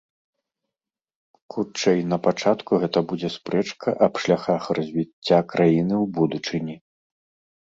Хутчэй, напачатку гэта будзе спрэчка аб шляхах развіцця краіны ў будучыні.